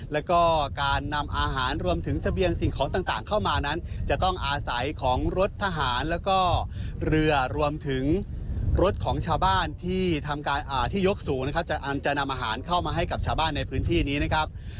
แล้วก็การนำอาหารรวมถึงเสบียงสิ่งของต่างเข้ามานั้นจะต้องอาศัยของรถทหารแล้วก็เรือรวมถึงรถของชาวบ้านที่ยกสูงนะครับจะนำอาหารเข้ามาให้กับชาวบ้านในพื้นที่นี้นะครับ